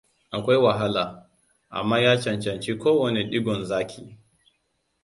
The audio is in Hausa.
Akwai wahala, amma ya cancanci ko wane digon zaki.